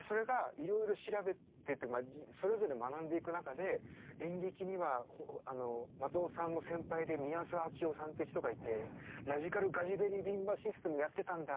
それがいろいろ調べてそれぞれ学んでいく中で演劇には松尾さんの先輩で宮沢章夫さんって人がいてラジカル・ガジベリビンバ・システムやってたんだ。